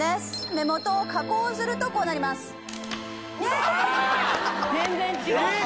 目元を加工するとこうなります・いや・全然違うええ